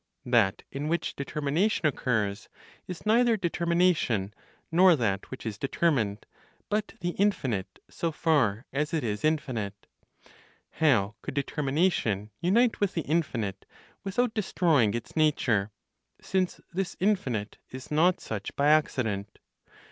That in which determination occurs is neither determination, nor that which is determined, but the infinite, so far as it is infinite. How could determination unite with the infinite without destroying its nature, since this infinite is not such by accident?